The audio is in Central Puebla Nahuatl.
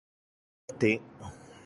Olti.